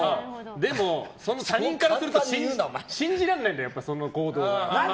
でも、他人からすると信じられないんだよ、その行動が。何だ？